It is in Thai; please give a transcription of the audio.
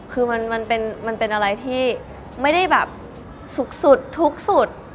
คือมันเป็นอะไรที่ไม่ได้แบบสุขสุดทุกข์สุด